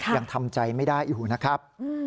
ยังทำใจไม่ได้อยู่นะครับ